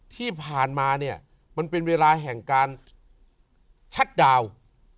ที่ผ่านมาเนี่ยมันเป็นเวลาแห่งการชัดดาวน์